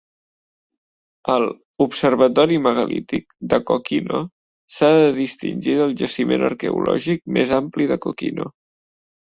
El "observatori megalític" de Kokino s'ha de distingir del jaciment arqueològic més ampli de Kokino.